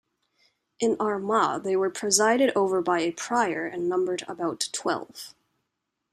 In Armagh they were presided over by a prior, and numbered about twelve.